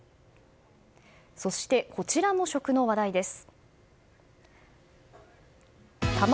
そして、こちらも食の話題です。